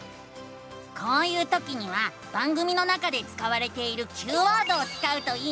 こういうときには番組の中で使われているＱワードを使うといいのさ！